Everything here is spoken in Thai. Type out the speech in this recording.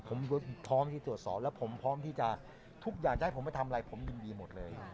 ผมพร้อมที่ตรวจสอบแล้วผมพร้อมที่จะทุกอย่างจะให้ผมไปทำอะไรผมยินดีหมดเลย